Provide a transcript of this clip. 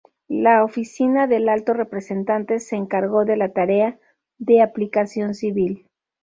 La Oficina del Alto Representante se encargó de la tarea de aplicación civil.